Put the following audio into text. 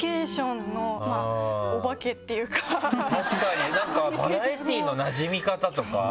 確かになんかバラエティーのなじみ方とか。